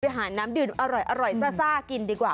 หาน้ำดื่มอร่อยซ่ากินดีกว่า